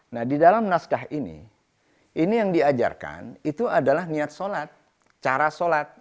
nah di dalam naskah ini ini yang diajarkan itu adalah niat sholat cara sholat